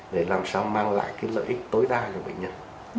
để làm sao mang lại cái lợi ích tối đa cho bệnh nhân